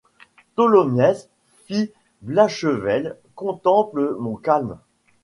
Tholomyès, fit Blachevelle, contemple mon calme.